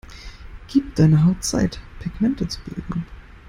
Gib deiner Haut Zeit, Pigmente zu bilden.